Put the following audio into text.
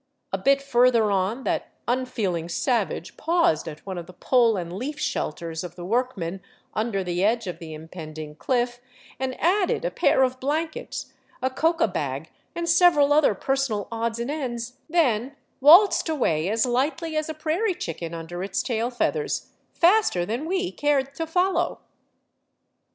A bit further on that unfeeling savage paused at one of the pole and leaf shelters of the workmen under the edge of the impending cliff and added a pair of blankets, a coca bag, and several other personal odds and ends, then waltzed away as lightly as a prairie chicken under its tail feathers — faster than we cared to follow.